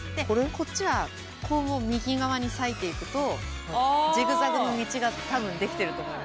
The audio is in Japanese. こっちは右側に割いていくとジグザグの道が多分出来てると思います。